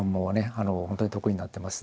本当に得意になってます。